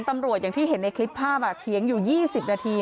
ตำรวจอย่างที่เห็นในคลิปภาพอ่ะเถียงอยู่ยี่สิบนาที